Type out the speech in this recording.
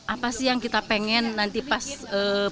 apa sih yang kita pengen nanti pas